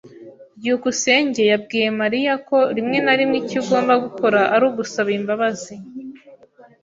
byukusenge yabwiye Mariya ko rimwe na rimwe icyo ugomba gukora ari ugusaba imbabazi.